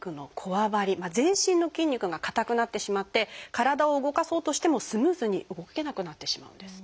全身の筋肉が硬くなってしまって体を動かそうとしてもスムーズに動けなくなってしまうんです。